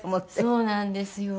そうなんですよ。